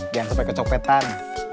jangan sampai kecopetan